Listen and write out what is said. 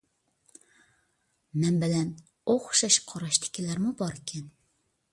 مەن بىلەن ئوخشاش قاراشتىكىلەرمۇ باركەن.